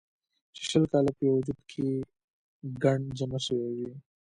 چې شل کاله پۀ يو وجود کښې ګند جمع شوے وي